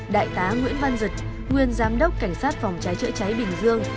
đại tá nguyễn văn dực nguyên giám đốc cảnh sát phòng trái trợ cháy bình dương